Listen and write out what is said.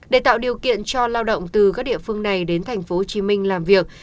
để tạo điều kiện cho lao động từ các địa phương này đến thành phố hồ chí minh làm việc